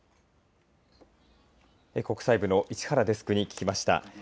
国際部の市原デスクに聞きました。